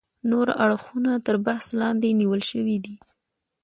نور اړخونه تر بحث لاندې نیول شوي دي.